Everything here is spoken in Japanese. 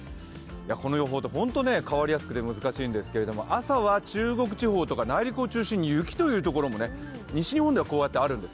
この予報って本当に変わりやすくて難しいんですけれど朝は中国地方とか内陸を中心に雪という所も西日本ではこうやってあるんです。